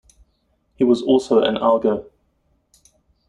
He was also an augur.